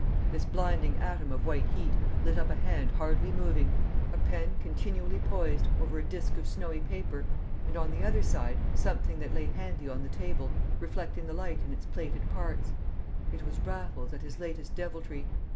This blinding atom of white heat lit up a hand hardly moving, a pen continually poised, over a disc of snowy paper; and on the other side, something that lay handy on the table, reflecting the light in its plated parts. It was Raffles at his latest deviltry.